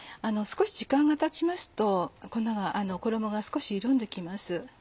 少し時間がたちますと衣が少し緩んで来ます。